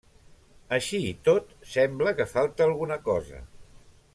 Així i tot, sembla que falta alguna cosa.